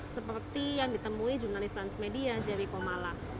seperti yang ditemui jurnalis transmedia jerry koma